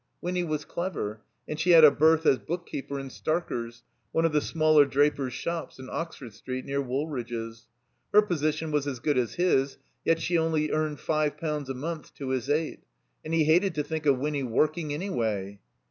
Winny was clever, and she had a berth as book keeper in Starker's, one of the smaller drapers' shops in Oxford Street, near Wool ridge's. Her position was as good as his, yet she only earned five poimds a month to his eight. And he hated to think of Winny working, anjrway.